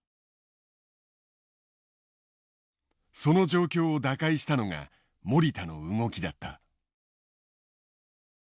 その状況を打開したのが守田の動きだった。